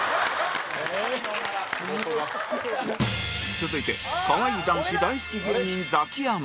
続いてかわいい男子大好き芸人ザキヤマ